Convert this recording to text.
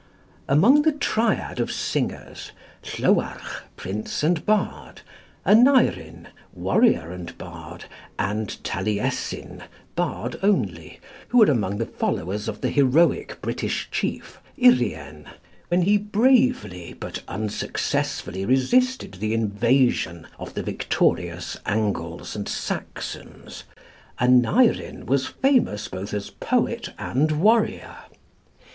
Among the triad of singers Llywarch, prince and bard, Aneurin, warrior and bard, and Taliessin, bard only who were among the followers of the heroic British chief Urien, when he bravely but unsuccessfully resisted the invasion of the victorious Angles and Saxons, Aneurin was famous both as poet and warrior.